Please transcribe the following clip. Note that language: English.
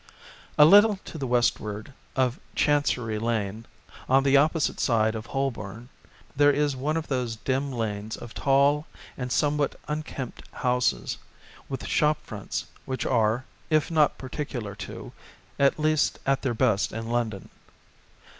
A little to the westward of Chancery Lane, on the opposite side of Holbom, there is one of those dim lanes of tall and somewhat unkempt houses with shop fronts which are, if not peculiar to, at least at their best in London.